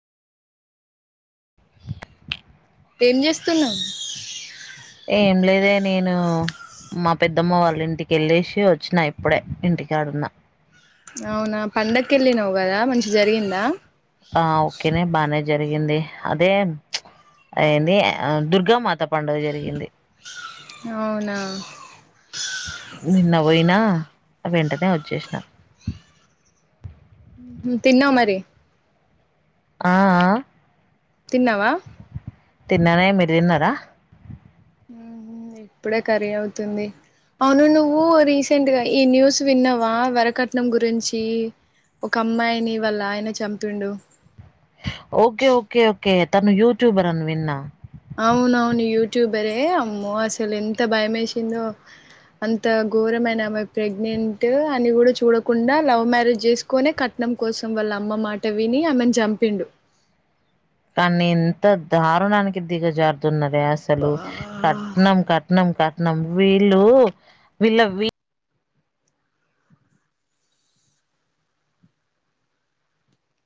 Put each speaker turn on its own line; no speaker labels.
ఏం చేస్తున్నాం
ఏం లేదే నేను మా పెద్దమ్మ వాళ్ళ ఇంటికి వెళ్ళేసి వచ్చినా ఇప్పుడే ఇంటికాడున్నా
అవునా పండకెళ్ళినావు కదా మంచి జరిగిందా
ఆ ఓకేనే బానే జరిగింది అదే అయింది దుర్గామాత పండుగ జరిగింది
అవునా
నిన్న పోయినా వెంటనే వచ్చేసిన
తిన్నావా మరి
ఆ ఆ
తిన్నావా
తిన్నానే మీరు తిన్నారా
ఇప్పుడే కర్రి అవుతుంది అవును నువ్వు రీసెంట్గా ఈ న్యూస్ విన్నావా వరకట్నం గురించి ఒక అమ్మాయిని వాళ్ళ ఆయన చంపిండు
కే తన యట్యూబరూ అని విన్నా
అవునవును యూట్యూబరే అమ్మో అసలు ఎంత భయ వేసిందో అంత ఘోరమైన ఆమె ప్రెగ్నెంట్ అని కూడా చూడకుండా లవ్ మ్యారేజ్ చేసుకొని కట్నం కోసం వాళ్ళ అమ్మ మాట విని ఆమెను చంపిండు
కానీ ఇంత దారుణానికి దిగజారుతున్నారు
బా
కట్నం వీళ్ళు వీళ్ళ